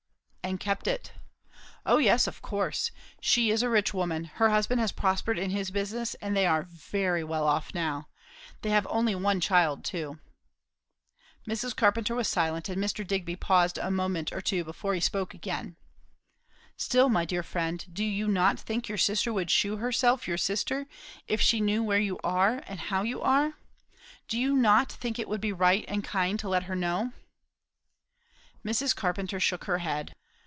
"And kept it." "O yes. Of course. She is a rich woman. Her husband has prospered in his business; and they are very well off now. They have only one child, too." Mrs. Carpenter was silent, and Mr. Digby paused a minute or two before he spoke again. "Still, my dear friend, do you not think your sister would shew herself your sister, if she knew where you are and how you are? Do you not think it would be right and kind to let her know?" Mrs. Carpenter shook her head.